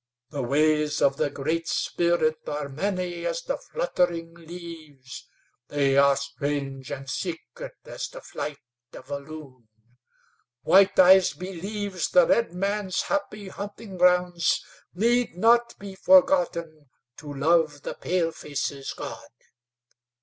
The ways of the Great Spirit are many as the fluttering leaves; they are strange and secret as the flight of a loon; White Eyes believes the redman's happy hunting grounds need not be forgotten to love the palefaces' God.